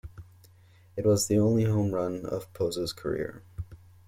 It was the only home run of Pozo's career.